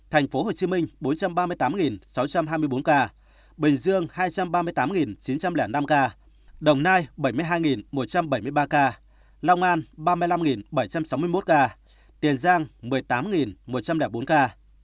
tp hcm bốn trăm ba mươi tám sáu trăm hai mươi bốn ca bình dương hai trăm ba mươi tám chín trăm linh năm ca đồng nai bảy mươi hai một trăm bảy mươi ba ca long an ba mươi năm bảy trăm sáu mươi một ca tiền giang một mươi tám một trăm linh bốn ca